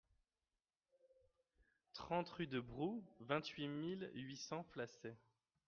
trente rue de Brou, vingt-huit mille huit cents Flacey